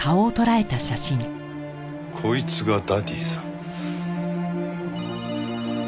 こいつがダディさん。